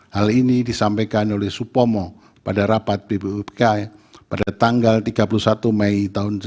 hal ini disampaikan oleh supomo pada rapat bpupk pada tanggal tiga puluh satu mei tahun seribu sembilan ratus sembilan puluh